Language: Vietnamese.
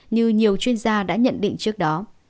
như nhiều chuyên gia đã nhận định trước đó